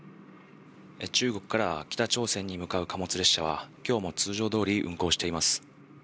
中国から北朝鮮に向かう貨物列車は、今日も通常どおり運行しています。